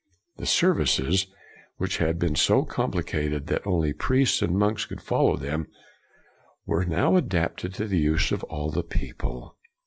The serv ices, which had been so complicated that only priests and monks could follow them, were now adapted to the use of all the people.